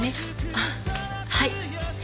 あっはい。